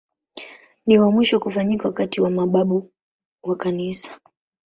Ni wa mwisho kufanyika wakati wa mababu wa Kanisa.